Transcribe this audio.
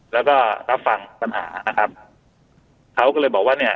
แล้วก็รับฟังปัญหานะครับเขาก็เลยบอกว่าเนี่ย